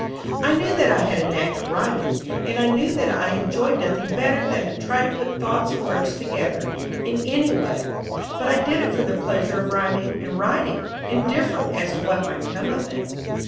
I knew that I had a knack at rhyming, and I knew that I enjoyed nothing better than to try to put thoughts and words together, in any way. But I did it for the pleasure of rhyming and writing, indifferent as to what might come of it.